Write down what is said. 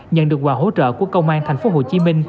nhận được quà hỗ trợ của công an tp hcm